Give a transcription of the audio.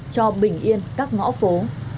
cho bình yên các ngõ phố